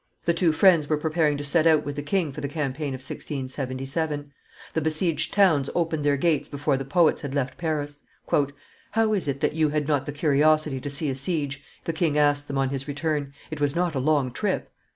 The two friends were preparing to set out with the king for the campaign of 1677. The besieged towns opened their gates before the poets had left Paris. "How is it that you had not the curiosity to see a siege?" the king asked them on his return: "it was not a long trip."